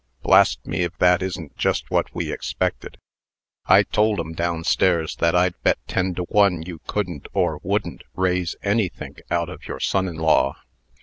"Blast me if that isn't just what we expected! I told 'em, down stairs, that I'd bet ten to one you couldn't or wouldn't raise any think out of your son in law."